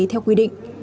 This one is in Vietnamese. theo quy định